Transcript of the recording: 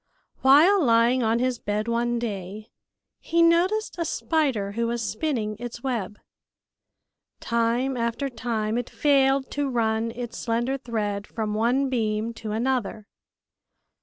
While lying on his bed one day, he noticed a spider who was spinning its web. Time after time it failed to run its slender thread from one beam to another.